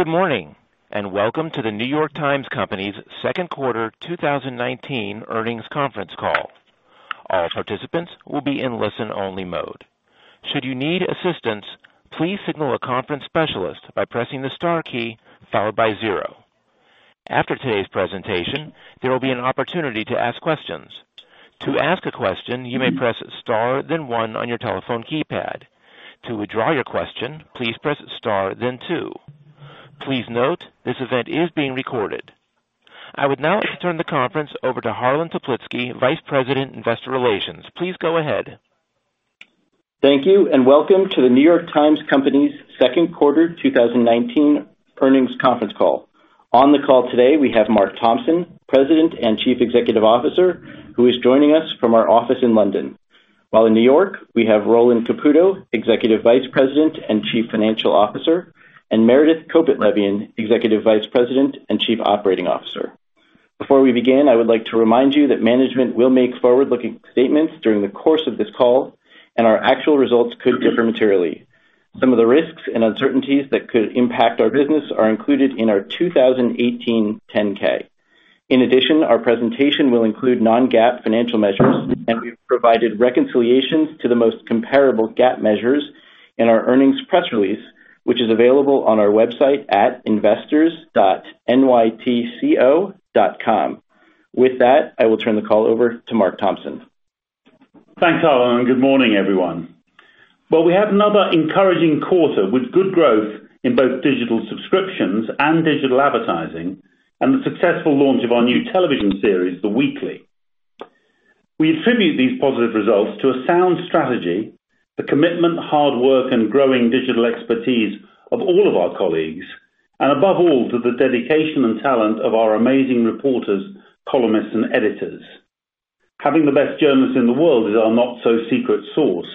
Good morning, and welcome to The New York Times Company's second quarter 2019 earnings conference call. All participants will be in listen-only mode. Should you need assistance, please signal a conference specialist by pressing the star key followed by zero. After today's presentation, there will be an opportunity to ask questions. To ask a question, you may press star then one on your telephone keypad. To withdraw your question, please press star then two. Please note, this event is being recorded. I would now like to turn the conference over to Harlan Toplitzky, Vice President, Investor Relations. Please go ahead. Thank you, and welcome to The New York Times Company's second quarter 2019 earnings conference call. On the call today, we have Mark Thompson, President and Chief Executive Officer, who is joining us from our office in London. While in New York, we have Roland Caputo, Executive Vice President and Chief Financial Officer, and Meredith Kopit Levien, Executive Vice President and Chief Operating Officer. Before we begin, I would like to remind you that management will make forward-looking statements during the course of this call, and our actual results could differ materially. Some of the risks and uncertainties that could impact our business are included in our 2018 10-K. In addition, our presentation will include non-GAAP financial measures, and we've provided reconciliations to the most comparable GAAP measures in our earnings press release, which is available on our website at investors.nytco.com. With that, I will turn the call over to Mark Thompson. Thanks, Harlan, and good morning, everyone. Well, we had another encouraging quarter with good growth in both digital subscriptions and digital advertising, and the successful launch of our new television series, The Weekly. We attribute these positive results to a sound strategy, the commitment, hard work, and growing digital expertise of all of our colleagues, and above all, to the dedication and talent of our amazing reporters, columnists, and editors. Having the best journalists in the world is our not-so-secret sauce,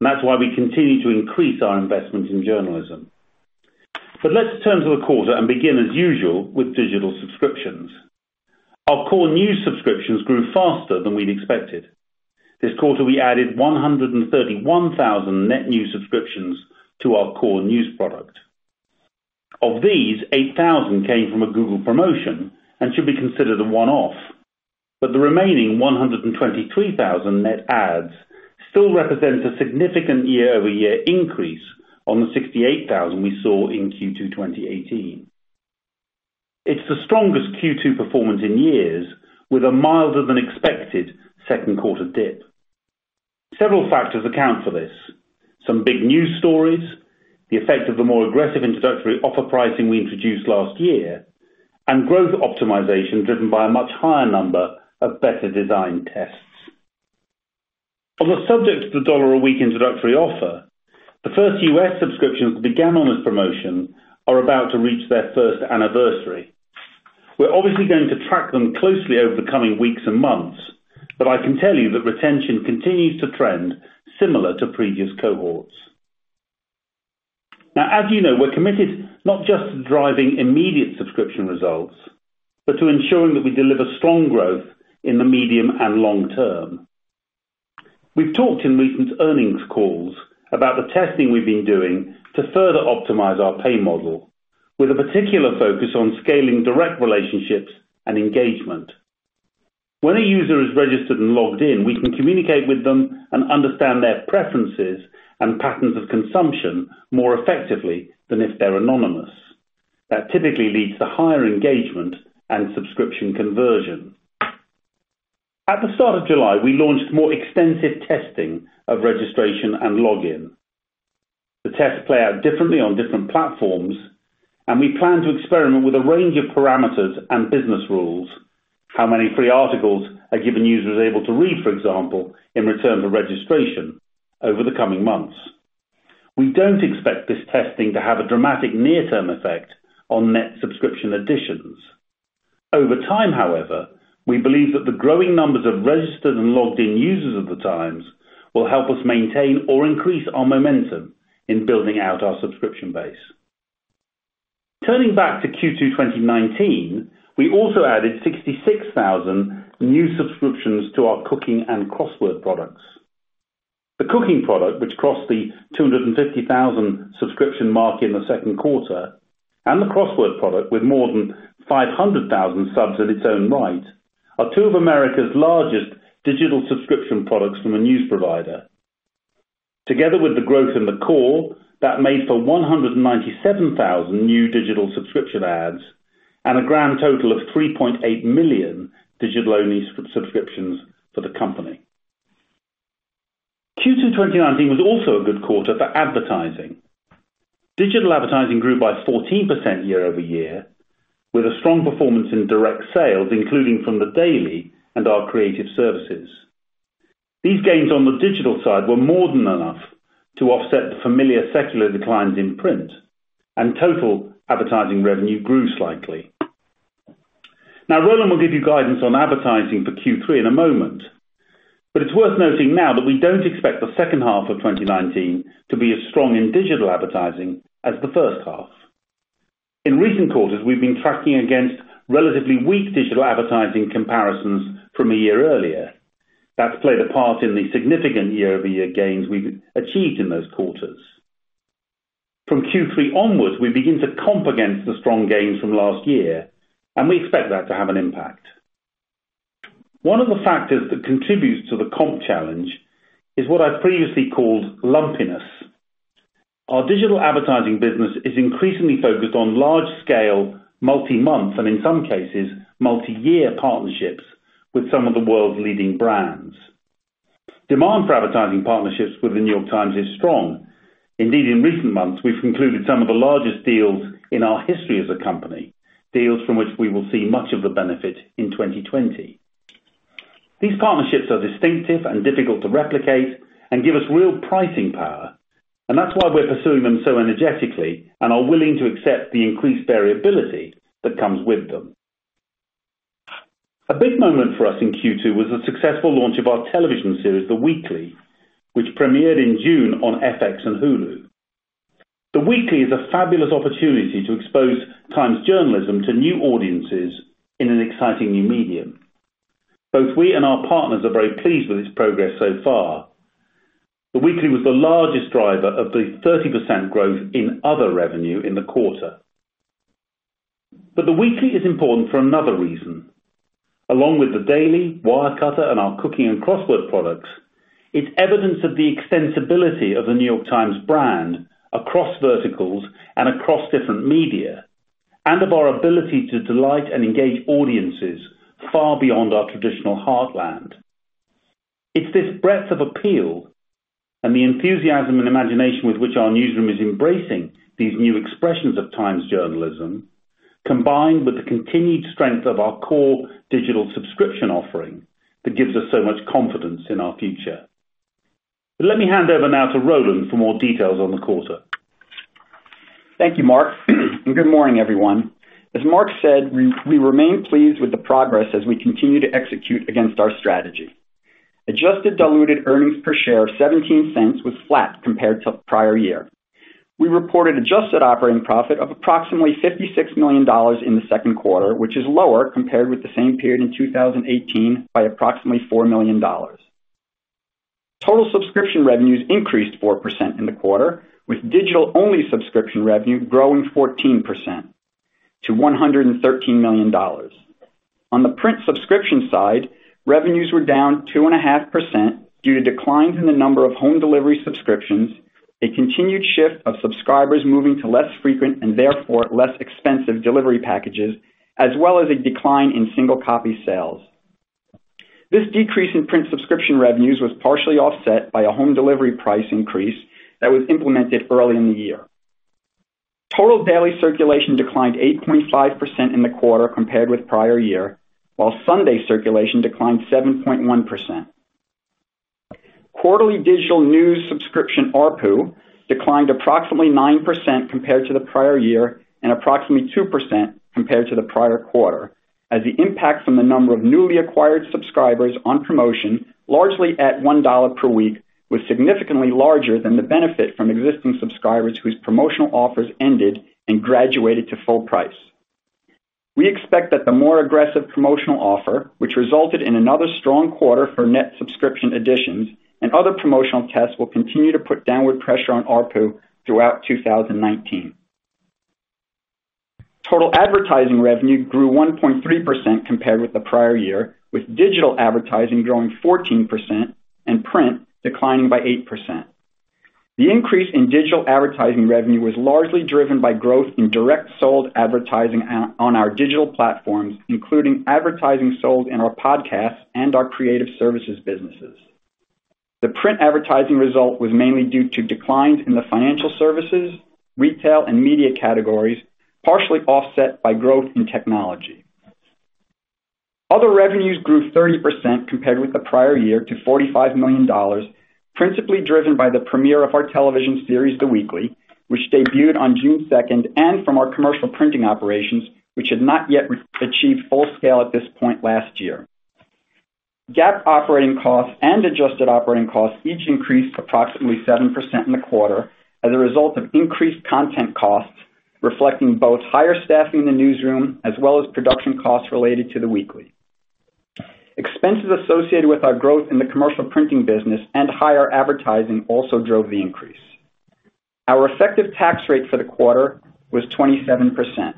and that's why we continue to increase our investment in journalism. Let's turn to the quarter and begin as usual with digital subscriptions. Our core news subscriptions grew faster than we'd expected. This quarter, we added 131,000 net new subscriptions to our core news product. Of these, 8,000 came from a Google promotion and should be considered a one-off. The remaining 123,000 net adds still represents a significant year-over-year increase on the 68,000 we saw in Q2 2018. It's the strongest Q2 performance in years, with a milder than expected second quarter dip. Several factors account for this. Some big news stories, the effect of the more aggressive introductory offer pricing we introduced last year, and growth optimization driven by a much higher number of better design tests. On the subject of the dollar-a-week introductory offer, the first U.S. subscriptions that began on this promotion are about to reach their first anniversary. We're obviously going to track them closely over the coming weeks and months, but I can tell you that retention continues to trend similar to previous cohorts. Now, as you know, we're committed not just to driving immediate subscription results, but to ensuring that we deliver strong growth in the medium and long term. We've talked in recent earnings calls about the testing we've been doing to further optimize our pay model, with a particular focus on scaling direct relationships and engagement. When a user is registered and logged in, we can communicate with them and understand their preferences and patterns of consumption more effectively than if they're anonymous. That typically leads to higher engagement and subscription conversion. At the start of July, we launched more extensive testing of registration and login. The tests play out differently on different platforms, and we plan to experiment with a range of parameters and business rules, how many free articles a given user is able to read, for example, in return for registration over the coming months. We don't expect this testing to have a dramatic near-term effect on net subscription additions. Over time, however, we believe that the growing numbers of registered and logged-in users of The Times will help us maintain or increase our momentum in building out our subscription base. Turning back to Q2 2019, we also added 66,000 new subscriptions to our Cooking and Crossword products. The Cooking product, which crossed the 250,000 subscription mark in the second quarter, and the Crossword product, with more than 500,000 subs in its own right, are two of America's largest digital subscription products from a news provider. Together with the growth in the core, that made for 197,000 new digital subscription adds and a grand total of 3.8 million digital-only subscriptions for the company. Q2 2019 was also a good quarter for advertising. Digital advertising grew by 14% year-over-year, with a strong performance in direct sales, including from The Daily and our creative services. These gains on the digital side were more than enough to offset the familiar secular declines in print, and total advertising revenue grew slightly. Now, Roland will give you guidance on advertising for Q3 in a moment, but it's worth noting now that we don't expect the second half of 2019 to be as strong in digital advertising as the first half. In recent quarters, we've been tracking against relatively weak digital advertising comparisons from a year earlier. That's played a part in the significant year-over-year gains we've achieved in those quarters. From Q3 onwards, we begin to comp against the strong gains from last year, and we expect that to have an impact. One of the factors that contributes to the comp challenge is what I've previously called lumpiness. Our digital advertising business is increasingly focused on large-scale, multi-month, and in some cases, multi-year partnerships with some of the world's leading brands. Demand for advertising partnerships with The New York Times is strong. Indeed, in recent months, we've concluded some of the largest deals in our history as a company, deals from which we will see much of the benefit in 2020. These partnerships are distinctive and difficult to replicate and give us real pricing power, and that's why we're pursuing them so energetically and are willing to accept the increased variability that comes with them. A big moment for us in Q2 was the successful launch of our television series, The Weekly, which premiered in June on FX and Hulu. The Weekly is a fabulous opportunity to expose Times journalism to new audiences in an exciting new medium. Both we and our partners are very pleased with its progress so far. The Weekly was the largest driver of the 30% growth in other revenue in the quarter. The Weekly is important for another reason. Along with The Daily, Wirecutter, and our Cooking and Crossword products, it's evidence of the extensibility of The New York Times brand across verticals and across different media, and of our ability to delight and engage audiences far beyond our traditional heartland. It's this breadth of appeal and the enthusiasm and imagination with which our newsroom is embracing these new expressions of Times journalism, combined with the continued strength of our core digital subscription offering, that gives us so much confidence in our future. Let me hand over now to Roland for more details on the quarter. Thank you, Mark, and good morning, everyone. As Mark said, we remain pleased with the progress as we continue to execute against our strategy. Adjusted diluted earnings per share of $0.17 was flat compared to the prior year. We reported adjusted operating profit of approximately $56 million in the second quarter, which is lower compared with the same period in 2018 by approximately $4 million. Total subscription revenues increased 4% in the quarter, with digital-only subscription revenue growing 14% to $113 million. On the print subscription side, revenues were down 2.5% due to declines in the number of home delivery subscriptions, a continued shift of subscribers moving to less frequent and therefore less expensive delivery packages, as well as a decline in single copy sales. This decrease in print subscription revenues was partially offset by a home delivery price increase that was implemented early in the year. Total daily circulation declined 8.5% in the quarter compared with prior year, while Sunday circulation declined 7.1%. Quarterly digital news subscription ARPU declined approximately 9% compared to the prior year and approximately 2% compared to the prior quarter, as the impact from the number of newly acquired subscribers on promotion, largely at $1 per week, was significantly larger than the benefit from existing subscribers whose promotional offers ended and graduated to full price. We expect that the more aggressive promotional offer, which resulted in another strong quarter for net subscription additions, and other promotional tests will continue to put downward pressure on ARPU throughout 2019. Total advertising revenue grew 1.3% compared with the prior year, with digital advertising growing 14% and print declining by 8%. The increase in digital advertising revenue was largely driven by growth in direct sold advertising on our digital platforms, including advertising sold in our podcasts and our creative services businesses. The print advertising result was mainly due to declines in the financial services, retail, and media categories, partially offset by growth in technology. Other Revenues grew 30% compared with the prior year to $45 million, principally driven by the premiere of our television series, The Weekly, which debuted on June 2nd, and from our commercial printing operations, which had not yet achieved full scale at this point last year. GAAP operating costs and adjusted operating costs each increased approximately 7% in the quarter as a result of increased content costs, reflecting both higher staffing in the newsroom as well as production costs related to The Weekly. Expenses associated with our growth in the commercial printing business and higher advertising also drove the increase. Our effective tax rate for the quarter was 27%.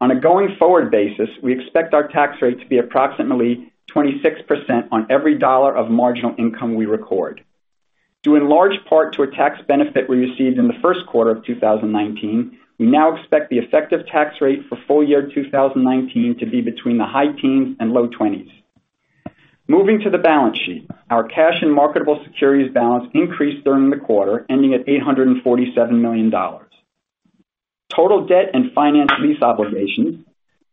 On a going-forward basis, we expect our tax rate to be approximately 26% on every dollar of marginal income we record. Due in large part to a tax benefit we received in the first quarter of 2019, we now expect the effective tax rate for full year 2019 to be between the high teens and low 20s. Moving to the balance sheet. Our cash and marketable securities balance increased during the quarter, ending at $847 million. Total debt and finance lease obligations,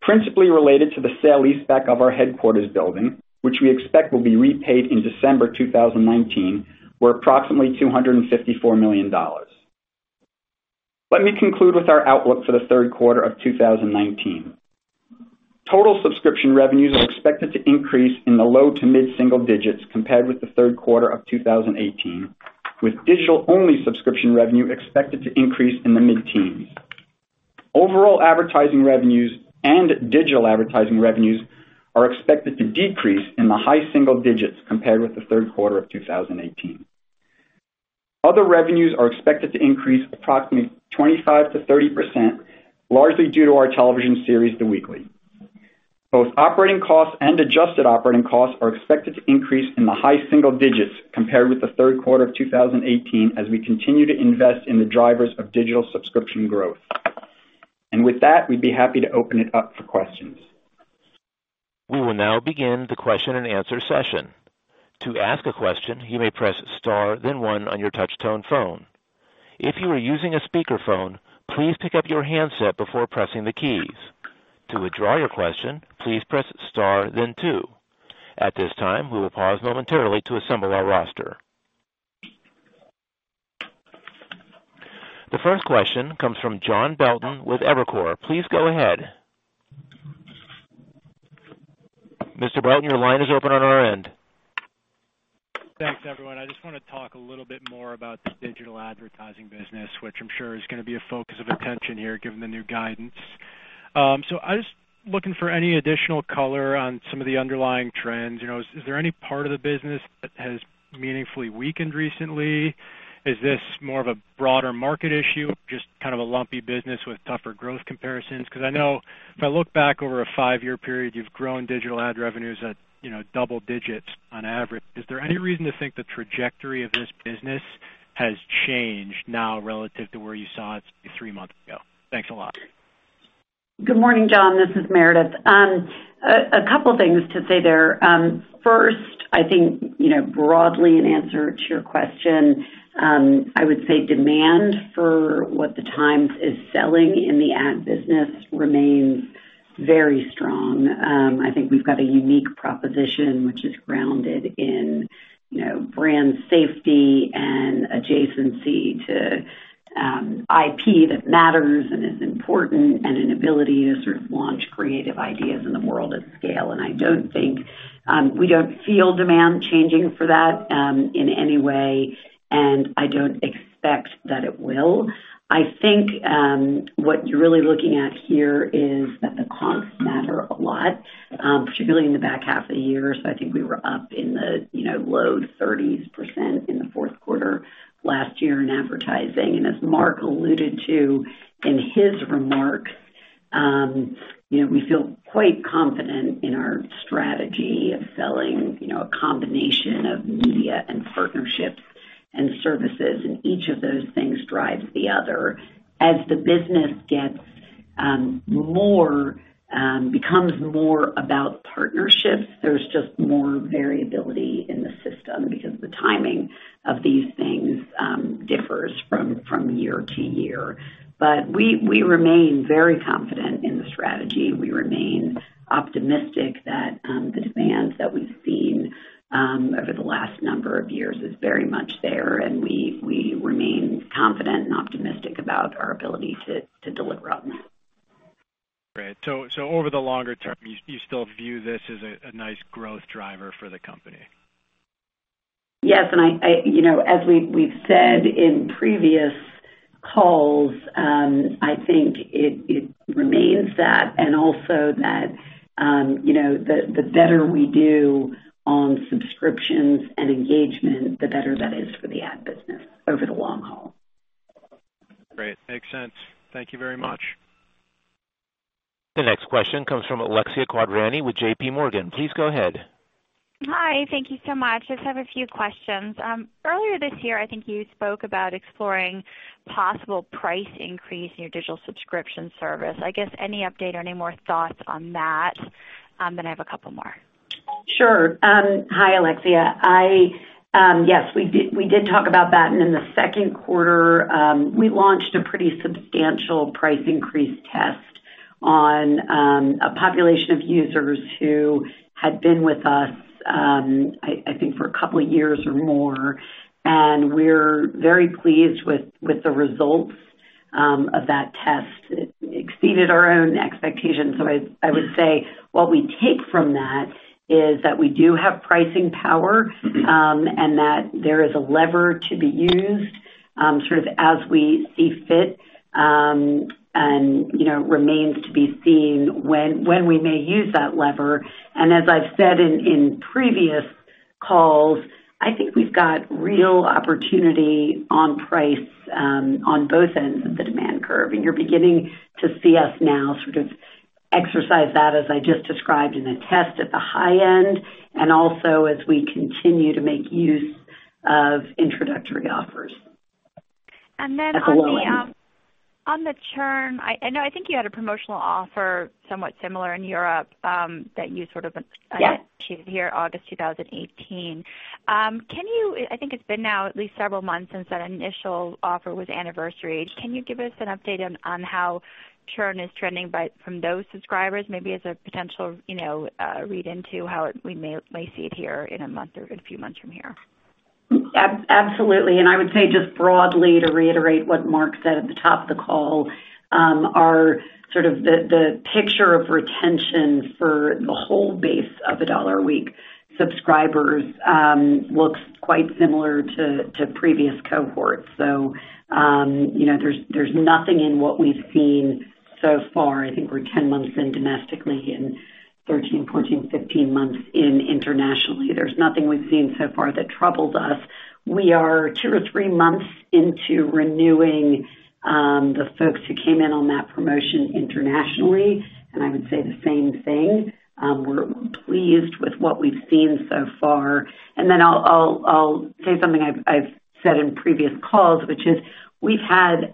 principally related to the sale-leaseback of our headquarters building, which we expect will be repaid in December 2019, were approximately $254 million. Let me conclude with our outlook for the third quarter of 2019. Total subscription revenues are expected to increase in the low- to mid-single-digit compared with the third quarter of 2018, with digital-only subscription revenue expected to increase in the mid-teens. Overall advertising revenues and digital advertising revenues are expected to decrease in the high single digits compared with the third quarter of 2018. Other Revenues are expected to increase approximately 25%-30%, largely due to our television series, The Weekly. Both operating costs and adjusted operating costs are expected to increase in the high single digits compared with the third quarter of 2018 as we continue to invest in the drivers of digital subscription growth. With that, we'd be happy to open it up for questions. We will now begin the question and answer session. To ask a question, you may press star then one on your touch tone phone. If you are using a speakerphone, please pick up your handset before pressing the keys. To withdraw your question, please press star then two. At this time, we will pause momentarily to assemble our roster. The first question comes from John Belton with Evercore. Please go ahead. Mr. Belton, your line is open on our end. Thanks, everyone. I just want to talk a little bit more about the digital advertising business, which I'm sure is going to be a focus of attention here, given the new guidance. I was looking for any additional color on some of the underlying trends. Is there any part of the business that has meaningfully weakened recently? Is this more of a broader market issue, just kind of a lumpy business with tougher growth comparisons? Because I know if I look back over a five-year period, you've grown digital ad revenues at double digits on average. Is there any reason to think the trajectory of this business has changed now relative to where you saw it three months ago? Thanks a lot. Good morning, John. This is Meredith. A couple things to say there. First, I think, broadly, in answer to your question, I would say demand for what the Times is selling in the ad business remains very strong. I think we've got a unique proposition which is grounded in brand safety and adjacency to IP that matters and is important, and an ability to sort of launch creative ideas in the world at scale. We don't feel demand changing for that in any way, and I don't expect that it will. I think what you're really looking at here is that the comps matter a lot, particularly in the back half of the year. I think we were up in the low 30% in the fourth quarter last year in advertising. As Mark alluded to in his remarks, we feel quite confident in our strategy of selling a combination of media and partnerships and services, and each of those things drives the other. As the business becomes more about partnerships, there's just more variability in the system because the timing of these things differs from year to year. We remain very confident in the strategy. We remain optimistic that the demand that we've seen over the last number of years is very much there, and we remain confident and optimistic about our ability to deliver on that. Great. Over the longer term, you still view this as a nice growth driver for the company? Yes. As we've said in previous calls, I think it remains that, and also that the better we do on subscriptions and engagement, the better that is for the ad business over the long haul. Great. Makes sense. Thank you very much. The next question comes from Alexia Quadrani with JPMorgan. Please go ahead. Hi. Thank you so much. I just have a few questions. Earlier this year, I think you spoke about exploring possible price increase in your digital subscription service. I guess any update or any more thoughts on that? Then I have a couple more. Sure. Hi, Alexia. Yes, we did talk about that, and in the second quarter, we launched a pretty substantial price increase test on a population of users who had been with us, I think, for a couple of years or more, and we're very pleased with the results of that test. It exceeded our own expectations. I would say what we take from that is that we do have pricing power, and that there is a lever to be used sort of as we see fit, and remains to be seen when we may use that lever. As I've said in previous calls, I think we've got real opportunity on price on both ends of the demand curve, and you're beginning to see us now sort of exercise that as I just described in the test at the high end, and also as we continue to make use of introductory offers at the low end. On the churn, I know I think you had a promotional offer somewhat similar in Europe that you sort of Yes Achieved in August 2018. I think it's been now at least several months since that initial offer was anniversaried. Can you give us an update on how churn is trending from those subscribers? Maybe as a potential read-through to how we may see it from here in a month or a few months from here. Absolutely. I would say just broadly to reiterate what Mark said at the top of the call, our sort of the picture of retention for the whole base of the dollar-a-week subscribers looks quite similar to previous cohorts. There's nothing in what we've seen so far, I think we're 10 months in domestically and 13, 14, 15 months in internationally. There's nothing we've seen so far that troubles us. We are two or three months into renewing the folks who came in on that promotion internationally, and I would say the same thing. We're pleased with what we've seen so far. I'll say something I've said in previous calls, which is, we've had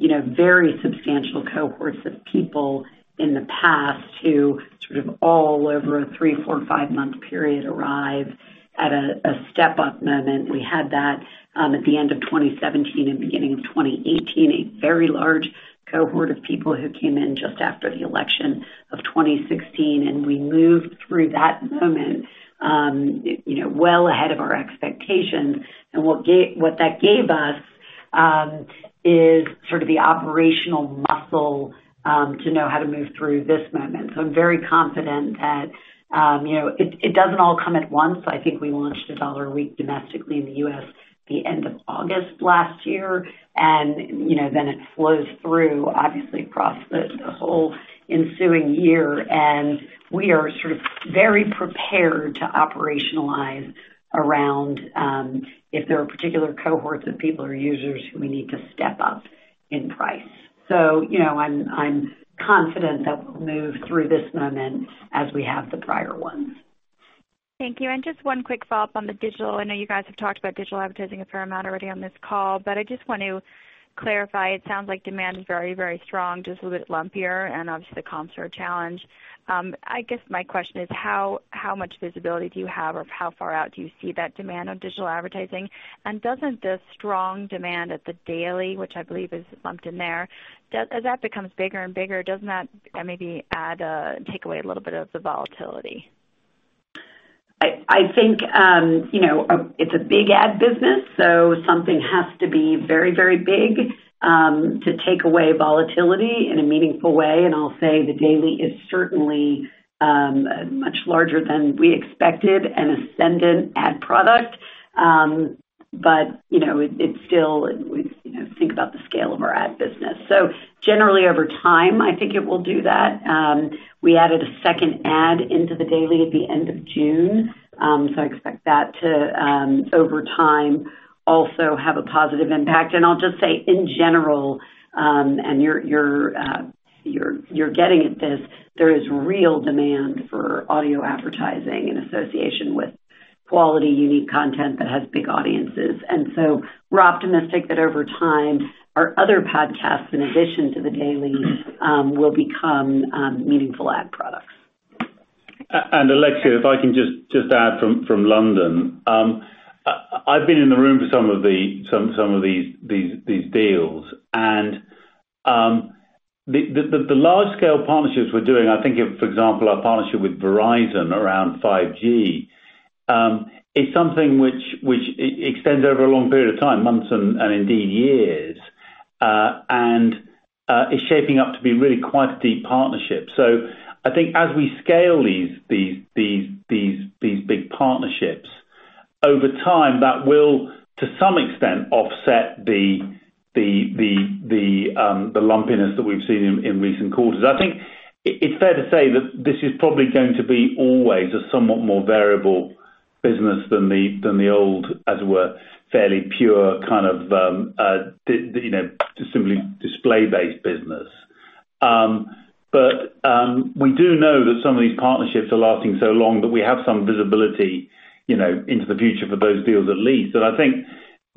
very substantial cohorts of people in the past who sort of all over a three, four, five-month period, arrive at a step-up moment. We had that at the end of 2017 and beginning of 2018. A very large cohort of people who came in just after the election of 2016, and we moved through that moment well ahead of our expectations. What that gave us is sort of the operational muscle to know how to move through this moment. I'm very confident that it doesn't all come at once. I think we launched a dollar a week domestically in the U.S. the end of August last year. Then it flows through, obviously, across the whole ensuing year. We are sort of very prepared to operationalize around if there are particular cohorts of people or users who we need to step up in price. I'm confident that we'll move through this moment as we have the prior ones. Thank you. Just one quick follow-up on the digital. I know you guys have talked about digital advertising a fair amount already on this call, but I just want to clarify, it sounds like demand is very, very strong, just a little bit lumpier, and obviously the comps are a challenge. I guess my question is how much visibility do you have, or how far out do you see that demand on digital advertising? Doesn't the strong demand at The Daily, which I believe is lumped in there, as that becomes bigger and bigger, doesn't that maybe take away a little bit of the volatility? I think it's a big ad business, so something has to be very, very big to take away volatility in a meaningful way. I'll say The Daily is certainly much larger than we expected as an ascendant ad product. It's still, think about the scale of our ad business. Generally over time, I think it will do that. We added a second ad into The Daily at the end of June. I expect that to over time also have a positive impact. I'll just say in general, and you're getting at this, there is real demand for audio advertising in association with quality, unique content that has big audiences. We're optimistic that over time, our other podcasts, in addition to The Daily, will become meaningful ad products. Alexia, if I can just add from London. I've been in the room for some of these deals. The large-scale partnerships we're doing, I think, for example, our partnership with Verizon around 5G is something which extends over a long period of time, months and indeed years and is shaping up to be really quite a deep partnership. I think as we scale these big partnerships, over time, that will to some extent offset the lumpiness that we've seen in recent quarters. I think it's fair to say that this is probably going to be always a somewhat more variable business than the old, as it were, fairly pure kind of simply display-based business. We do know that some of these partnerships are lasting so long that we have some visibility into the future for those deals at least. I think,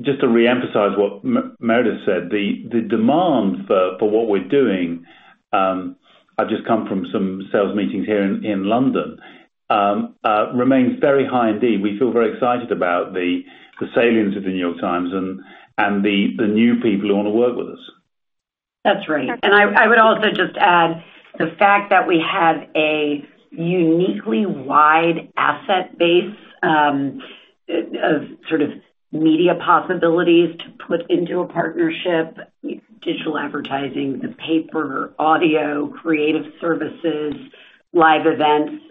just to reemphasize what Meredith said, the demand for what we're doing, I've just come from some sales meetings here in London, remains very high indeed. We feel very excited about the salience of The New York Times and the new people who want to work with us. That's right. I would also just add the fact that we have a uniquely wide asset base of sort of media possibilities to put into a partnership, digital advertising, the paper, audio, creative services, live events.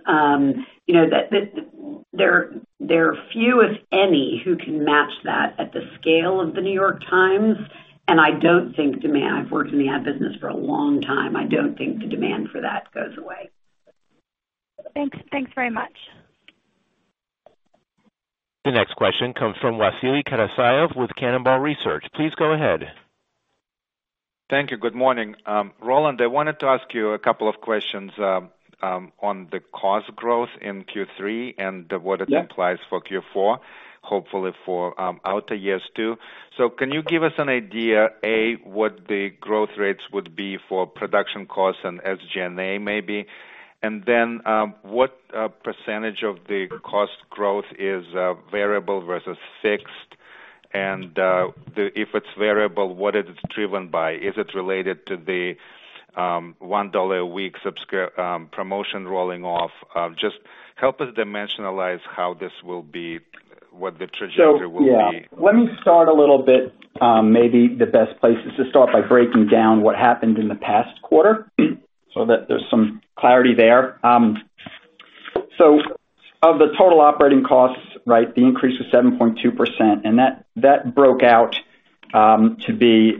There are few, if any, who can match that at the scale of The New York Times, and I don't think demand. I've worked in the ad business for a long time, I don't think the demand for that goes away. Thanks very much. The next question comes from Vasily Karasyov with Cannonball Research. Please go ahead. Thank you. Good morning. Roland, I wanted to ask you a couple of questions on the cost growth in Q3 and what it implies for Q4, hopefully for outer years too. Can you give us an idea, A, what the growth rates would be for production costs and SG&A maybe? And then what percentage of the cost growth is variable versus fixed? And if it's variable, what is it driven by? Is it related to the dollar a week promotion rolling off? Just help us dimensionalize how this will be, what the trajectory will be. Yeah. Let me start a little bit, maybe the best place is to start by breaking down what happened in the past quarter so that there's some clarity there. Of the total operating costs, the increase was 7.2%, and that broke out to be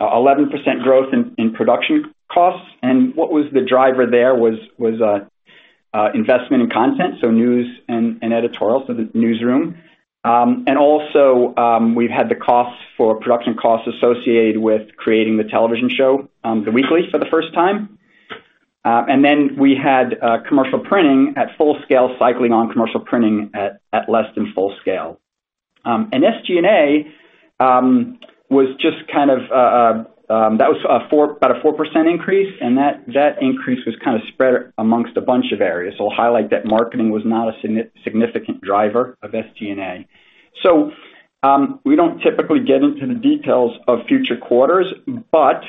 11% growth in production costs. What was the driver there was investment in content, so news and editorials, so the newsroom. Also, we've had the costs for production costs associated with creating the television show, The Weekly, for the first time. Then we had commercial printing at full scale, cycling on commercial printing at less than full scale. SG&A was just about a 4% increase, and that increase was kind of spread amongst a bunch of areas. I'll highlight that marketing was not a significant driver of SG&A. We don't typically get into the details of future quarters, but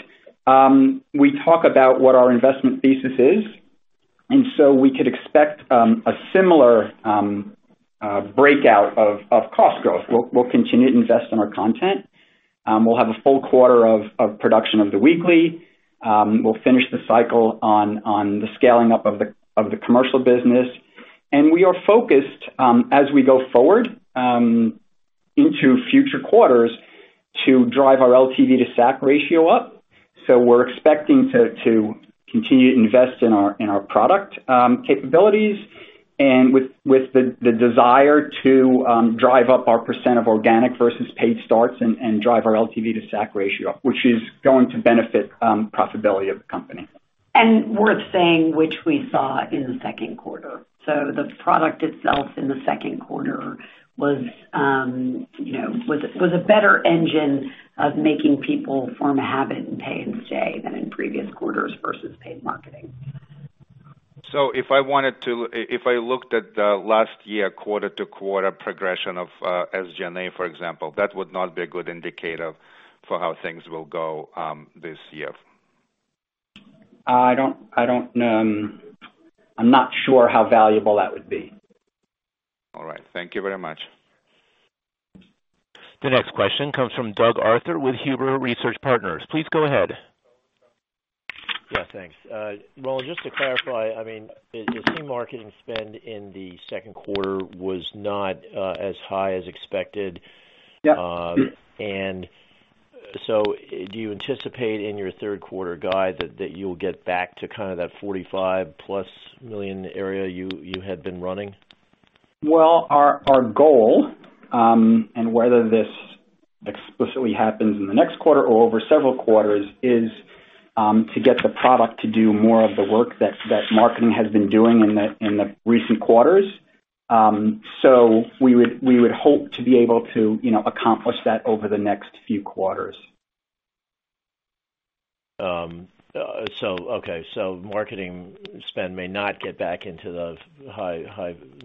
we talk about what our investment thesis is, and so we could expect a similar breakout of cost growth. We'll continue to invest in our content. We'll have a full quarter of production of The Weekly. We'll finish the cycle on the scaling up of the commercial business. We are focused, as we go forward into future quarters, to drive our LTV to SAC ratio up. We're expecting to continue to invest in our product capabilities and with the desire to drive up our percent of organic versus paid starts and drive our LTV to SAC ratio up, which is going to benefit profitability of the company. Worth saying, which we saw in the second quarter. The product itself in the second quarter was a better engine of making people form a habit and pay and stay than in previous quarters versus paid marketing. If I looked at the last year quarter-to-quarter progression of SG&A, for example, that would not be a good indicator for how things will go this year. I'm not sure how valuable that would be. All right. Thank you very much. The next question comes from Douglas Arthur with Huber Research Partners. Please go ahead. Yeah, thanks. Roland, just to clarify, the paid marketing spend in the second quarter was not as high as expected. Yeah. Do you anticipate in your third quarter guide that you'll get back to kind of that 45+ million area you had been running? Well, our goal, and whether this explicitly happens in the next quarter or over several quarters, is to get the product to do more of the work that marketing has been doing in the recent quarters. We would hope to be able to accomplish that over the next few quarters. Marketing spend may not get back into the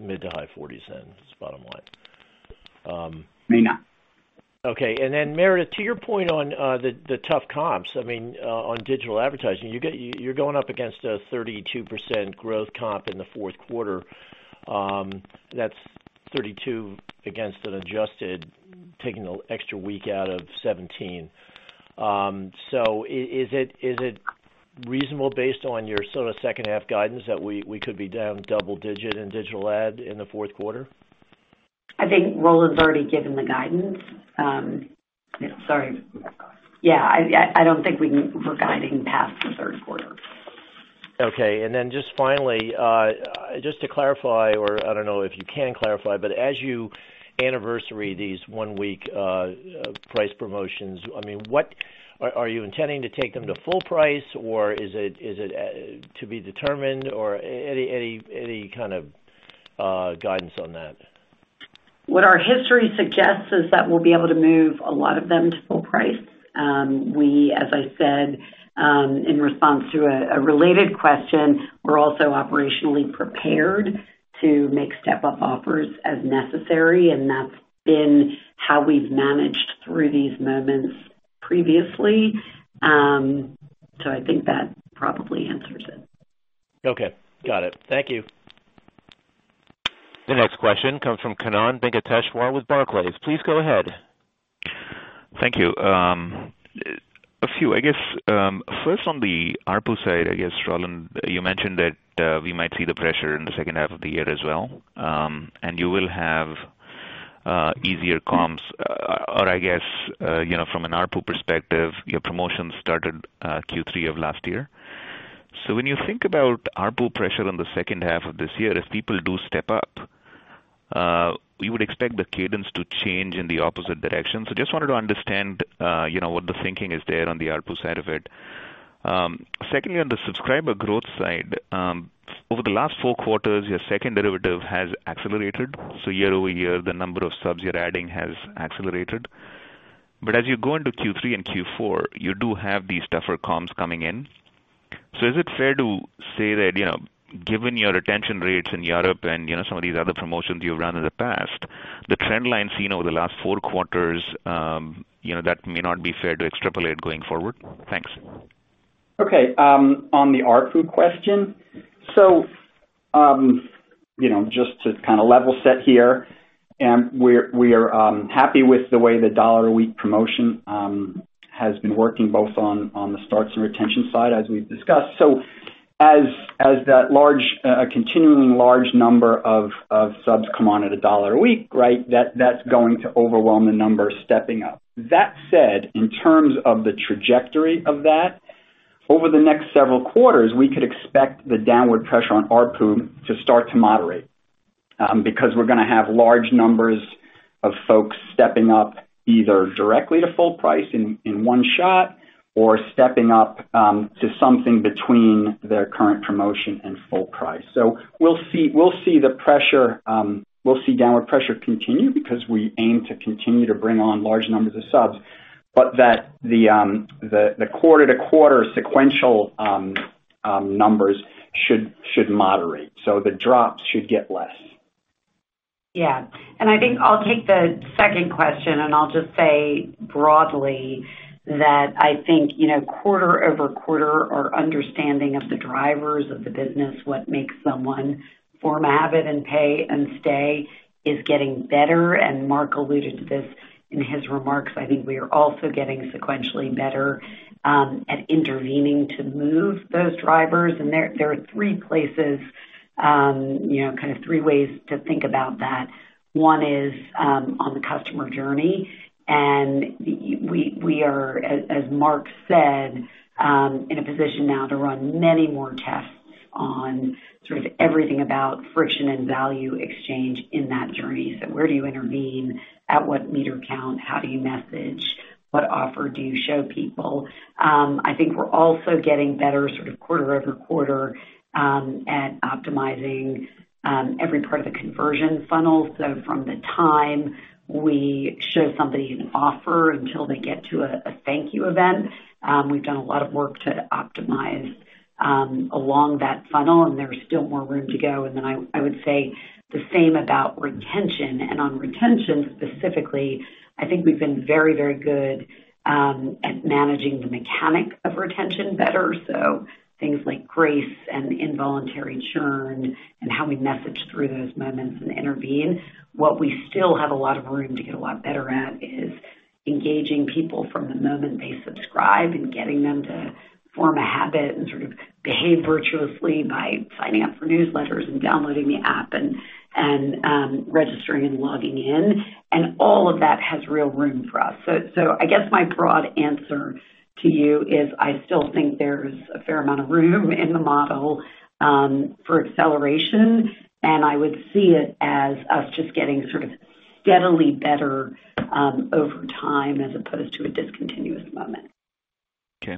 mid- to high 40s, then is the bottom line. May not. Okay. Meredith, to your point on the tough comps on digital advertising, you're going up against a 32% growth comp in the fourth quarter. That's 32 against an adjusted, taking the extra week out of 17. Is it reasonable based on your sort of second half guidance that we could be down double digit in digital ad in the fourth quarter? I think Roland's already given the guidance. Sorry. Yeah, I don't think we're guiding past the third quarter. Okay. Just finally, just to clarify or I don't know if you can clarify, but as you anniversary these one-week price promotions, are you intending to take them to full price or is it to be determined or any kind of guidance on that? What our history suggests is that we'll be able to move a lot of them to full price. We, as I said, in response to a related question, we're also operationally prepared to make step-up offers as necessary, and that's been how we've managed through these moments previously. I think that probably answers it. Okay. Got it. Thank you. The next question comes from Kannan Venkateshwar with Barclays. Please go ahead. Thank you. I guess, first on the ARPU side, I guess, Roland, you mentioned that we might see the pressure in the second half of the year as well, and you will have easier comps or I guess, from an ARPU perspective, your promotions started Q3 of last year. When you think about ARPU pressure on the second half of this year, if people do step up, we would expect the cadence to change in the opposite direction. Just wanted to understand what the thinking is there on the ARPU side of it. Secondly, on the subscriber growth side, over the last four quarters, your second derivative has accelerated. Year-over-year, the number of subs you're adding has accelerated. As you go into Q3 and Q4, you do have these tougher comps coming in. Is it fair to say that, given your retention rates in Europe and some of these other promotions you've run in the past, the trend lines seen over the last four quarters, that may not be fair to extrapolate going forward? Thanks. Okay. On the ARPU question. Just to kind of level set here, we are happy with the way the dollar a week promotion has been working, both on the starts and retention side, as we've discussed. As a continuing large number of subs come on at dollar a week, that's going to overwhelm the numbers stepping up. That said, in terms of the trajectory of that, over the next several quarters, we could expect the downward pressure on ARPU to start to moderate, because we're going to have large numbers of folks stepping up either directly to full price in one shot or stepping up to something between their current promotion and full price. We'll see downward pressure continue because we aim to continue to bring on large numbers of subs, but the quarter-to-quarter sequential numbers should moderate. The drops should get less. Yeah. I think I'll take the second question, and I'll just say broadly that I think quarter-over-quarter our understanding of the drivers of the business, what makes someone form a habit and pay and stay is getting better. Mark alluded to this in his remarks. I think we are also getting sequentially better at intervening to move those drivers. There are three places, kind of three ways to think about that. One is on the customer journey. We are, as Mark said, in a position now to run many more tests on sort of everything about friction and value exchange in that journey. Where do you intervene? At what meter count? How do you message? What offer do you show people? I think we're also getting better sort of quarter-over-quarter at optimizing every part of the conversion funnel. From the time we show somebody an offer until they get to a thank you event, we've done a lot of work to optimize along that funnel, and there's still more room to go. Then I would say the same about retention. On retention specifically, I think we've been very good at managing the mechanics of retention better, things like grace and involuntary churn and how we message through those moments and intervene. What we still have a lot of room to get a lot better at is engaging people from the moment they subscribe and getting them to form a habit and sort of behave virtuously by signing up for newsletters and downloading the app and registering and logging in. All of that has real room for us. I guess my broad answer to you is I still think there's a fair amount of room in the model for acceleration, and I would see it as us just getting sort of steadily better over time as opposed to a discontinuous moment. Okay.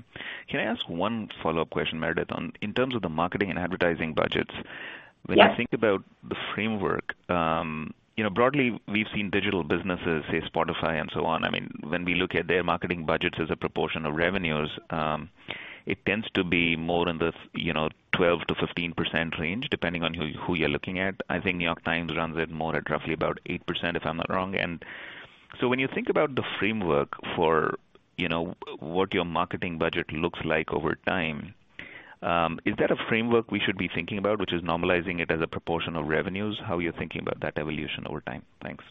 Can I ask one follow-up question, Meredith? In terms of the marketing and advertising budgets. Yes When you think about the framework, broadly we've seen digital businesses say Spotify and so on. When we look at their marketing budgets as a proportion of revenues, it tends to be more in the 12%-15% range, depending on who you're looking at. I think New York Times runs it more at roughly about 8%, if I'm not wrong. When you think about the framework for what your marketing budget looks like over time, is that a framework we should be thinking about, which is normalizing it as a proportion of revenues? How are you thinking about that evolution over time? Thanks.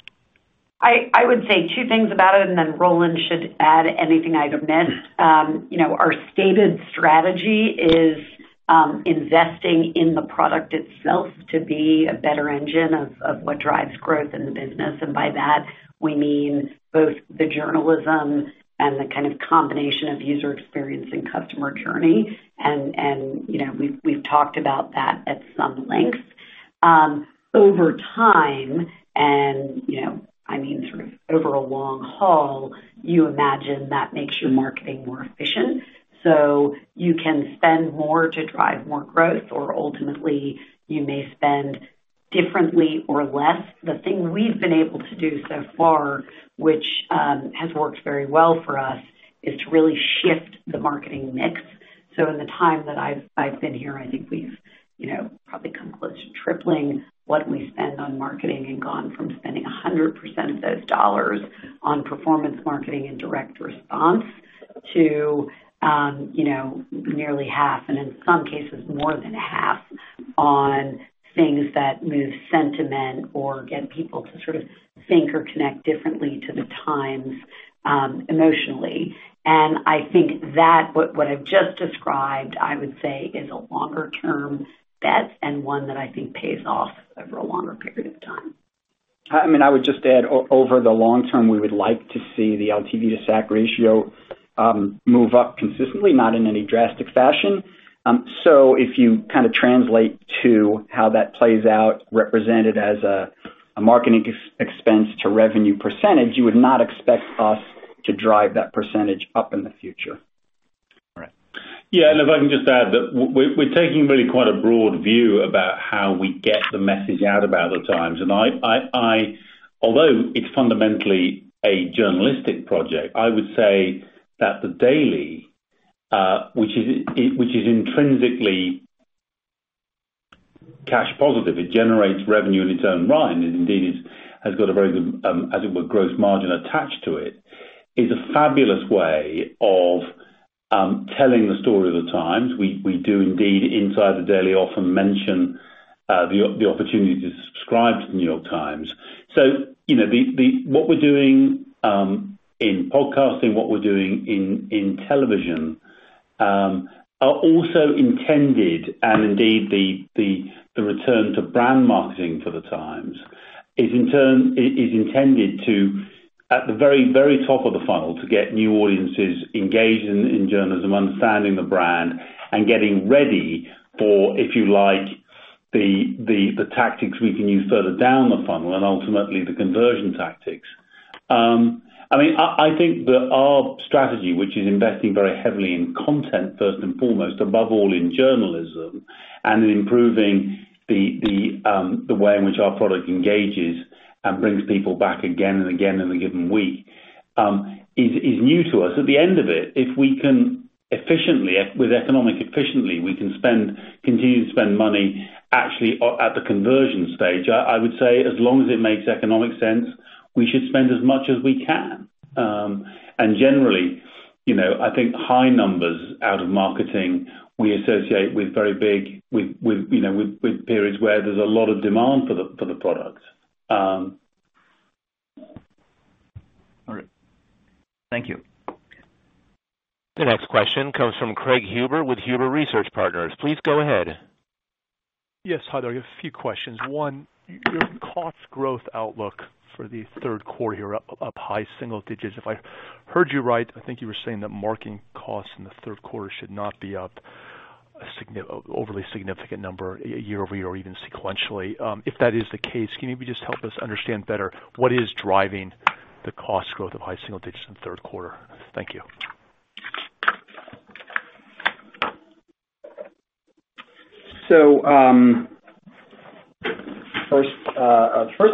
I would say two things about it, and then Roland should add anything I've missed. Our stated strategy is investing in the product itself to be a better engine of what drives growth in the business. By that we mean both the journalism and the kind of combination of user experience and customer journey. We've talked about that at some length. Over time, and I mean sort of over a long haul, you imagine that makes your marketing more efficient. You can spend more to drive more growth, or ultimately you may spend differently or less. The thing we've been able to do so far, which has worked very well for us, is to really shift the marketing mix. In the time that I've been here, I think we've probably come close to tripling what we spend on marketing and gone from spending 100% of those dollars on performance marketing and direct response to nearly half, and in some cases more than half on things that move sentiment or get people to sort of think or connect differently to the Times emotionally. I think that what I've just described, I would say is a longer-term bet and one that I think pays off over a longer period of time. I would just add, over the long term, we would like to see the LTV to SAC ratio move up consistently, not in any drastic fashion. If you kind of translate to how that plays out represented as a marketing expense to revenue percentage, you would not expect us to drive that percentage up in the future. All right. Yeah. If I can just add that we're taking really quite a broad view about how we get the message out about the Times. Although it's fundamentally a journalistic project, I would say that The Daily, which is intrinsically cash positive, generates revenue in its own right, and indeed has got a very good, as it were, gross margin attached to it, is a fabulous way of telling the story of the Times. We do indeed, inside The Daily, often mention the opportunity to subscribe to the New York Times. What we're doing in podcasting, what we're doing in television, are also intended, and indeed the return to brand marketing for The Times is intended to, at the very, very top of the funnel, to get new audiences engaged in journalism, understanding the brand and getting ready for, if you like, the tactics we can use further down the funnel and ultimately the conversion tactics. I think that our strategy, which is investing very heavily in content first and foremost, above all in journalism, and in improving the way in which our product engages and brings people back again and again in a given week, is new to us. At the end of it, if we can efficiently, with economic efficiency, we can continue to spend money actually at the conversion stage. I would say as long as it makes economic sense, we should spend as much as we can. Generally, I think high numbers out of marketing, we associate with very big periods where there's a lot of demand for the product. All right. Thank you. The next question comes from Craig Huber with Huber Research Partners. Please go ahead. Yes, hi there. I have a few questions. One, your cost growth outlook for the third quarter is up high single digits. If I heard you right, I think you were saying that marketing costs in the third quarter should not be up an overly significant number year-over-year or even sequentially. If that is the case, can you maybe just help us understand better what is driving the cost growth of high single digits in the third quarter? Thank you. First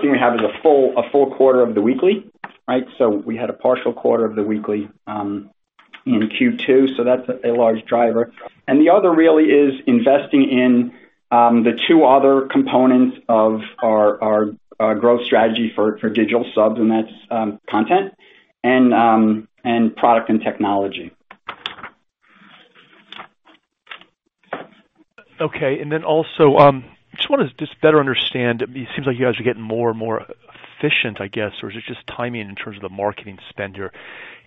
thing we have is a full quarter of The Weekly. We had a partial quarter of The Weekly in Q2, so that's a large driver. The other really is investing in the two other components of our growth strategy for digital subs, and that's content and product and technology. Okay. Also, just want to better understand, it seems like you guys are getting more and more efficient, I guess, or is it just timing in terms of the marketing spend here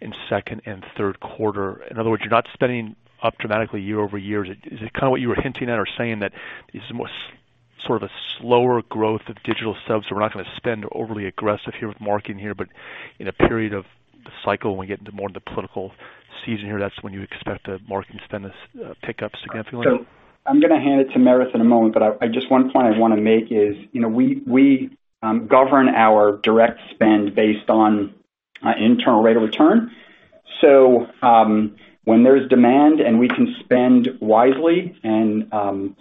in second and third quarter? In other words, you're not spending up dramatically year-over-year. Is it kind of what you were hinting at or saying that it's sort of a slower growth of digital subs, so we're not going to spend overly aggressive here with marketing here, but in a period of the cycle, when we get into more of the political season here, that's when you would expect the marketing spend to pick up significantly? I'm going to hand it to Meredith in a moment, but just one point I want to make is we govern our direct spend based on internal rate of return. When there's demand and we can spend wisely and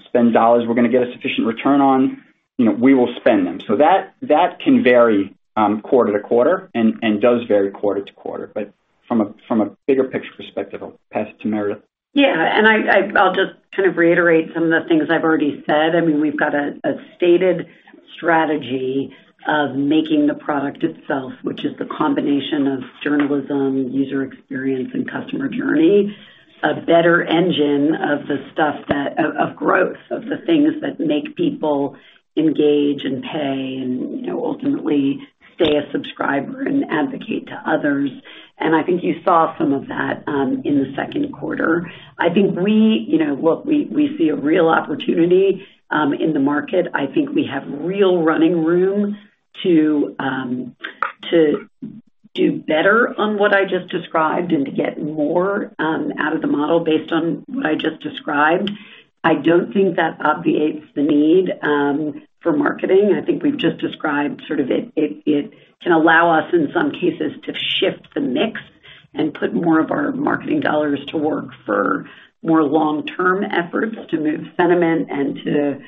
spend dollars we're going to get a sufficient return on, we will spend them. That can vary quarter to quarter and does vary quarter to quarter. From a bigger picture perspective, I'll pass it to Meredith. Yeah. I'll just kind of reiterate some of the things I've already said. We've got a stated strategy of making the product itself, which is the combination of journalism, user experience, and customer journey, a better engine of growth, of the things that make people engage and pay and ultimately stay a subscriber and advocate to others. I think you saw some of that in the second quarter. I think we see a real opportunity in the market. I think we have real running room to do better on what I just described and to get more out of the model based on what I just described. I don't think that obviates the need for marketing. I think we've just described it can allow us, in some cases, to shift the mix and put more of our marketing dollars to work for more long-term efforts to move sentiment and to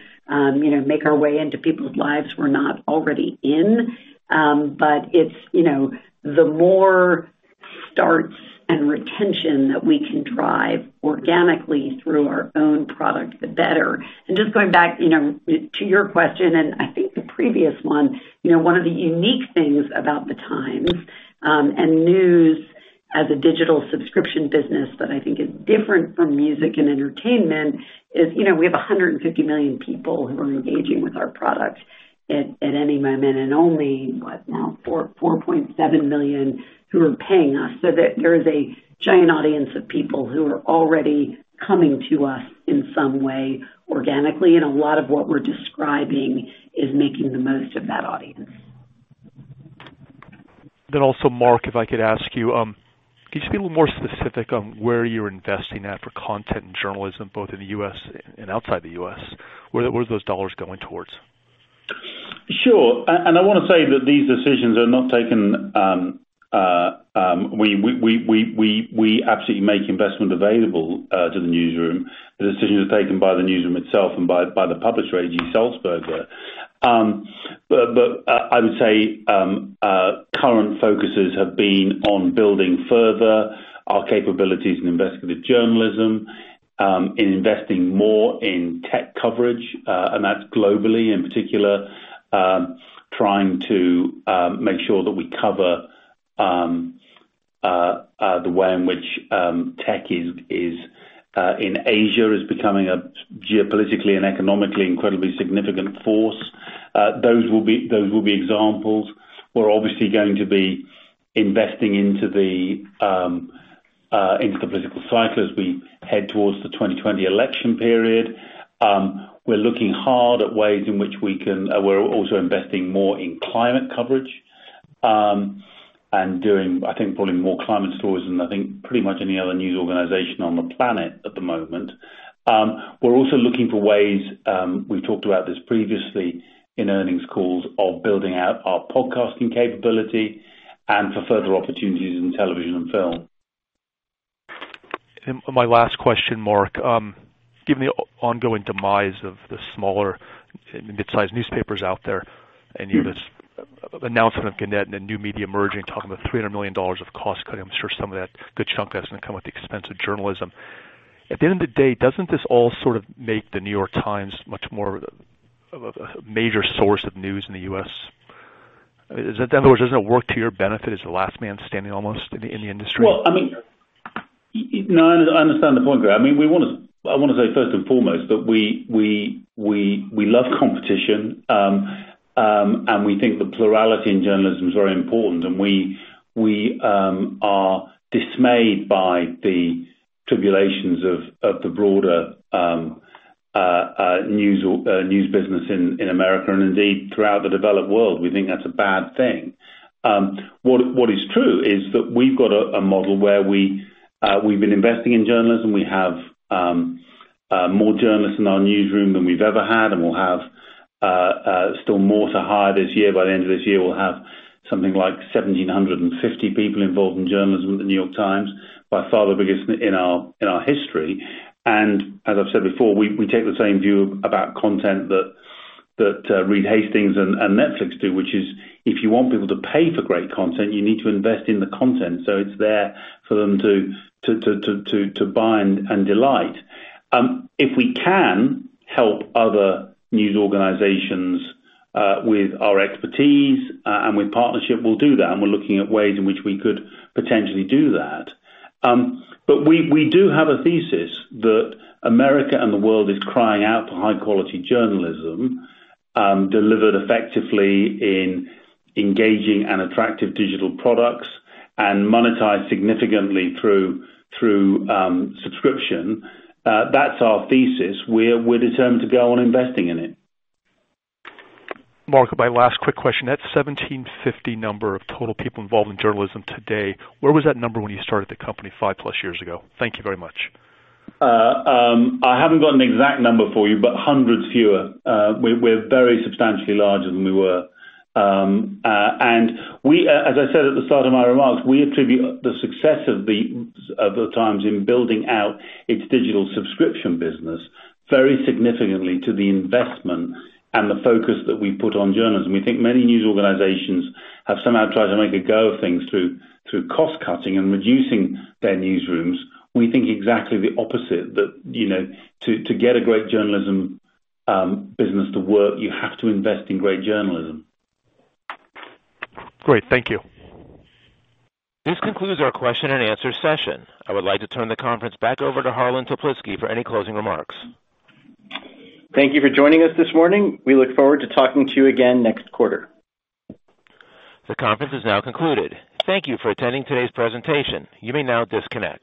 make our way into people's lives we're not already in. The more starts and retention that we can drive organically through our own product, the better. Just going back to your question, and I think the previous one of the unique things about The Times, and news as a digital subscription business that I think is different from music and entertainment is we have 150 million people who are engaging with our product at any moment, and only what now, 4.7 million who are paying us. There is a giant audience of people who are already coming to us in some way organically, and a lot of what we're describing is making the most of that audience. Also, Mark, if I could ask you, could you be a little more specific on where you're investing in for content and journalism, both in the U.S. and outside the U.S.? Where are those dollars going towards? Sure. I want to say that these decisions are not taken. We absolutely make investment available to the newsroom. The decision is taken by the newsroom itself and by the publisher, A.G. Sulzberger. I would say current focuses have been on building further our capabilities in investigative journalism, in investing more in tech coverage, and that's globally in particular, trying to make sure that we cover the way in which tech in Asia is becoming a geopolitically and economically incredibly significant force. Those will be examples. We're obviously going to be investing into the political cycle as we head towards the 2020 election period. We're looking hard at ways in which we're also investing more in climate coverage, and doing, I think, probably more climate stories than I think pretty much any other news organization on the planet at the moment. We're also looking for ways, we've talked about this previously in earnings calls, of building out our podcasting capability and for further opportunities in television and film. My last question, Mark. Given the ongoing demise of the smaller, mid-size newspapers out there, and you have this announcement of Gannett and then New Media merging, talking about $300 million of cost cutting. I'm sure some of that, good chunk of that's going to come at the expense of journalism. At the end of the day, doesn't this all sort of make The New York Times much more of a major source of news in the U.S.? In other words, doesn't it work to your benefit as the last man standing almost in the industry? Well, I understand the point, Craig. I want to say first and foremost that we love competition, and we think the plurality in journalism is very important, and we are dismayed by the tribulations of the broader news business in America, and indeed, throughout the developed world. We think that's a bad thing. What is true is that we've got a model where we've been investing in journalism. We have more journalists in our newsroom than we've ever had, and we'll have still more to hire this year. By the end of this year, we'll have something like 1,750 people involved in journalism at The New York Times, by far the biggest in our history. As I've said before, we take the same view about content that Reed Hastings and Netflix do, which is, if you want people to pay for great content, you need to invest in the content so it's there for them to buy and delight. If we can help other news organizations with our expertise and with partnership, we'll do that, and we're looking at ways in which we could potentially do that. We do have a thesis that America and the world is crying out for high-quality journalism delivered effectively in engaging and attractive digital products and monetized significantly through subscription. That's our thesis. We're determined to go on investing in it. Mark, my last quick question. That 1,750 number of total people involved in journalism today, where was that number when you started the company 5+ years ago? Thank you very much. I haven't got an exact number for you, but hundreds fewer. We're very substantially larger than we were. As I said at the start of my remarks, we attribute the success of The Times in building out its digital subscription business very significantly to the investment and the focus that we put on journalism. We think many news organizations have somehow tried to make a go of things through cost-cutting and reducing their newsrooms. We think exactly the opposite, that to get a great journalism business to work, you have to invest in great journalism. Great. Thank you. This concludes our question and answer session. I would like to turn the conference back over to Harlan Toplitzky for any closing remarks. Thank you for joining us this morning. We look forward to talking to you again next quarter. The conference is now concluded. Thank you for attending today's presentation. You may now disconnect.